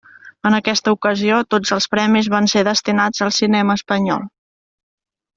En aquesta ocasió tots els premis van ser destinats al cinema espanyol.